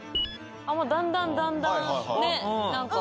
だんだんだんだんねっなんか。